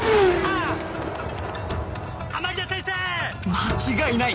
間違いない！